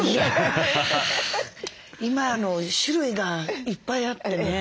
今の種類がいっぱいあってね